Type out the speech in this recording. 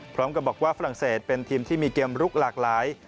พร้อมกับบอกว่าฝรั่งเศสมีเกมรุกหลากหลาย